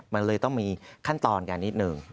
มันเลยต้องมีขั้นตอนกันนิดนึง